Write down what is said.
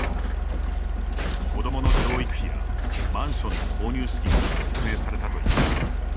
子どもの教育費やマンションの購入資金だと説明されたといいます。